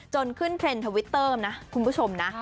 จนขึ้นเทรนด์ทวิตเตอร์นะคุณผู้ชมนะ